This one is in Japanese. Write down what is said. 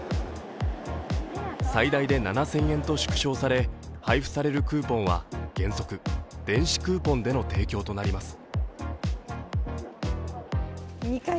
最大で７０００円と縮小され配布されるクーポンは原則電子クーポンでの提供となります。